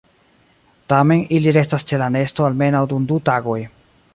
Tamen ili restas ĉe la nesto almenaŭ dum du tagoj.